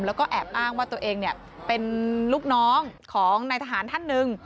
แล้วก็แอบอ้างว่าตัวเองเป็นลูกน้องของนายทหารท่านหนึ่ง